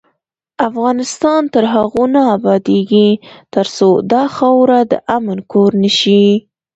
افغانستان تر هغو نه ابادیږي، ترڅو دا خاوره د امن کور نشي.